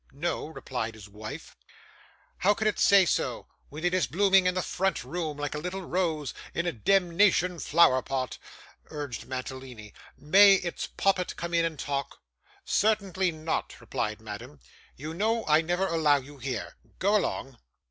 'No,' replied his wife. 'How can it say so, when it is blooming in the front room like a little rose in a demnition flower pot?' urged Mantalini. 'May its poppet come in and talk?' 'Certainly not,' replied Madame: 'you know I never allow you here. Go along!